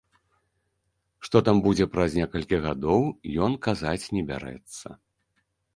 Што там будзе праз некалькі гадоў, ён казаць не бярэцца.